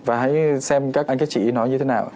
và hãy xem các anh các chị nói như thế nào